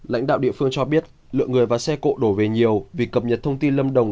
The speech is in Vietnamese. lãnh đạo địa phương cho biết lượng người và xe cộ đổ về nhiều vì cập nhật thông tin lâm đồng